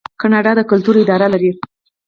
کاناډا د کلتور اداره لري.